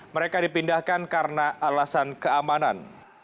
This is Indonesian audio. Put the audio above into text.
mereka dipindahkan karena alasan keamanan